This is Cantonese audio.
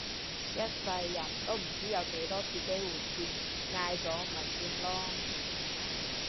一世人都唔知有幾多次機會見嗌咗咪算囉